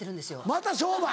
また商売？